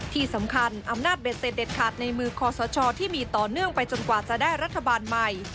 ที่สำคัญอำนาจเบ็ดเสร็จเด็ดขาดในมือคอสชที่มีต่อเนื่องไปจนกว่าจะได้รัฐบาลใหม่